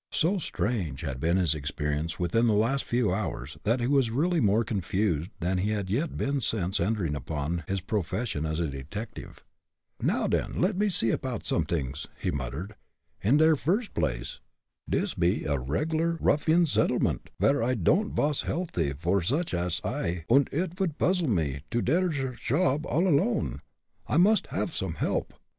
So strange had been his experience within the last few hours that he was really more confused than he had yet been since entering upon his profession as a detective. "Now den, let me see apoud somet'ings," he muttered. "In der virst blace, dis be a reg'lar ruffian seddlement, vere id don'd vas healthy vor such ash I, und id would puzzle me to do der shob all alone. I must haff some help.